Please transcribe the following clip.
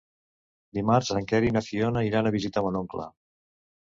Dimarts en Quer i na Fiona iran a visitar mon oncle.